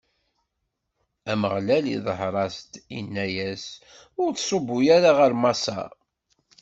Ameɣlal iḍher-as-d, inna-as: Ur ttṣubbu ara ɣer Maṣer.